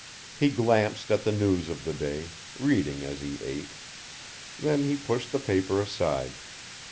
He glanced at the news of the day, reading as he ate. Then he pushed the paper aside.